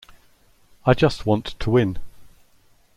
I just want to win...